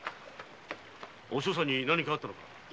お師匠さんに何かあったのか？